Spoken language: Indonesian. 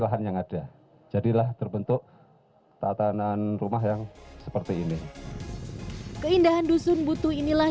lahan yang ada jadilah terbentuk tatanan rumah yang seperti ini keindahan dusun butuh inilah